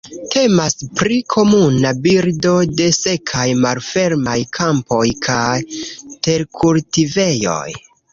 Temas pri komuna birdo de sekaj malfermaj kampoj kaj terkultivejoj.